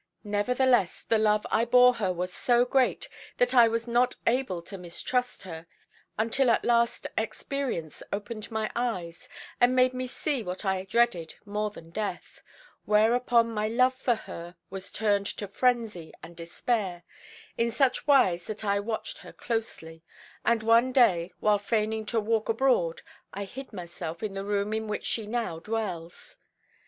Nevertheless, the love I bore her was so great that I was not able to mistrust her, until at last experience opened my eyes and made me see what I dreaded more than death, whereupon my love for her was turned to frenzy and despair in such wise that I watched her closely, and one day, while feigning to walk abroad, I hid myself in the room in which she now dwells.